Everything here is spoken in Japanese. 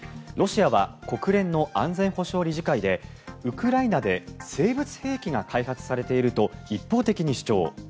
ロシアは国連の安全保障理事会でウクライナで生物兵器が開発されていると一方的に主張。